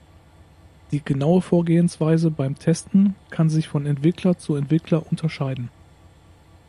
Die genaue Vorgehensweise beim Testen kann sich von Entwickler zu Entwickler unterscheiden.